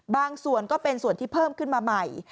ส่วนก็เป็นส่วนที่เพิ่มขึ้นมาใหม่